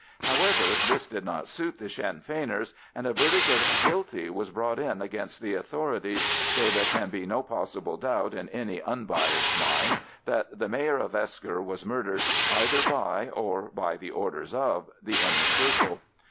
However, this did not suit the Sinn Feiners, and a verdict of "guilty" was brought in against the authorities, though there can be no possible doubt in any unbiassed mind that the Mayor of Esker was murdered either by, or by the orders of, the Inner Circle.